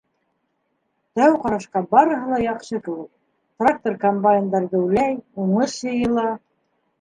Тәү ҡарашҡа барыһы ла яҡшы кеүек: трактор-комбайндар геүләй, уңыш йыйыла.